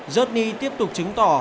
yudny tiếp tục chứng tỏ